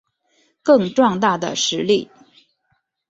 更壮大的实力